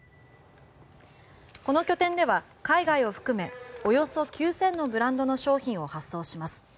この拠点では、海外を含めおよそ９０００のブランドの商品を発送します。